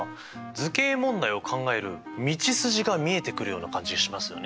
図形問題を考える道筋が見えてくるような感じがしますよね。